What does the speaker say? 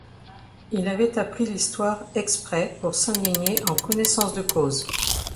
Il avait appris l’histoire exprès pour s’indigner en connaissance de cause.